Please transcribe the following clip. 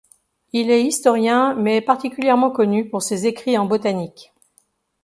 Il est historien mais est particulièrement connu pour ses écrits en botanique.